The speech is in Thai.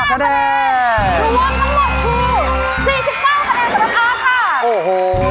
๑๕คะแนน